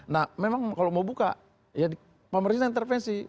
nah memang kalau mau buka ya pemerintah intervensi